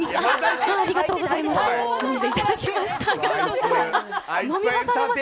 ありがとうございます。